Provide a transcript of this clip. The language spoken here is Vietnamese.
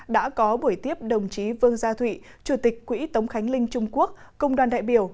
đã có buổi tiếp đồng chí vương gia thụy chủ tịch quỹ tống khánh linh trung quốc công đoàn đại biểu